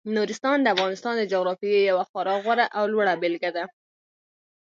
نورستان د افغانستان د جغرافیې یوه خورا غوره او لوړه بېلګه ده.